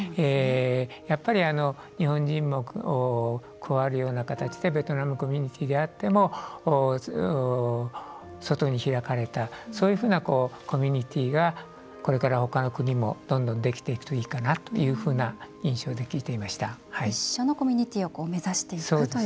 やっぱり、日本人も加わるような形でベトナムコミュニティーであっても外に開かれたそういうふうなコミュニティーがこれから、他の国もどんどんできていくといいかなと印象で聞いていました。